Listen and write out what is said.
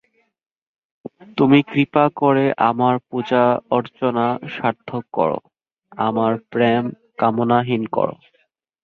তুমি কৃপা করে আমার পূজা-অর্চনা সার্থক কর, আমার প্রেম কামনাহীন কর।